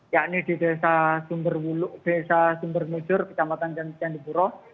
yakni di desa sumber mujur kecamatan candi buro